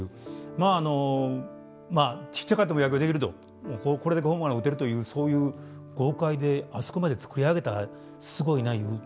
まああのちっちゃかっても野球はできるとこれだけホームランを打てるというそういう豪快であそこまで作り上げたすごいないう大好きな選手でしたね。